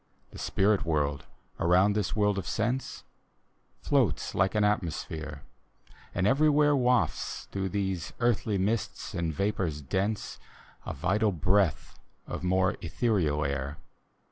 The spirit world around this world of sense Floats like an atmosphere, and everywhere Wafts through these earthly mists and vapors dense A vital breath of more ethereal air.